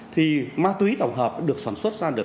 thì ma túy tổng hợp được sản xuất ra